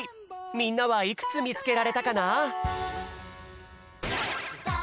みんなはいくつみつけられたかな？